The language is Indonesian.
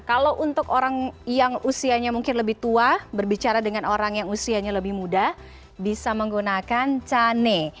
kalau untuk orang yang usianya mungkin lebih tua berbicara dengan orang yang usianya lebih muda bisa menggunakan cane